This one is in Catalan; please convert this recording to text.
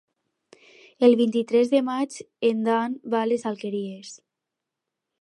El vint-i-tres de maig en Dan va a les Alqueries.